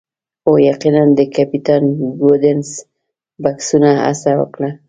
هو یقیناً د کیپټن ګوډنس بکسونه هڅه وکړه